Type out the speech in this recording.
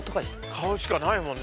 顔しかないもんね。